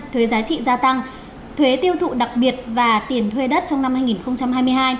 thuế giá trị gia tăng thuế tiêu thụ đặc biệt và tiền thuê đất trong năm hai nghìn hai mươi hai